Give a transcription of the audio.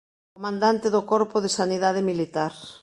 Comandante do corpo de sanidade militar.